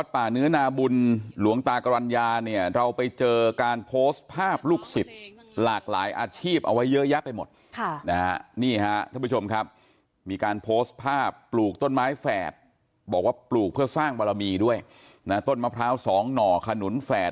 แต่ขอร้องถ้าจะทำยังไงก็ปิดเสียงเอาไว้ในที่ตัวเองก็บ้างก็ได้ไม่เป็นไรนะคะ